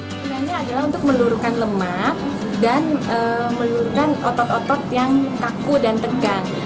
pertama adalah untuk melurukan lemak dan melurukan otot otot yang kaku dan tegang